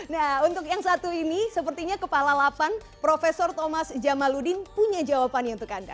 nah untuk yang satu ini sepertinya kepala lapan prof thomas jamaludin punya jawabannya untuk anda